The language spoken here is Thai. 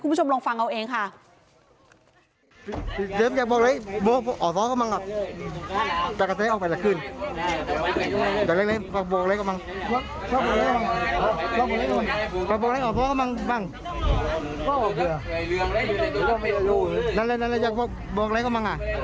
คุณผู้ชมลองฟังเอาเองค่ะ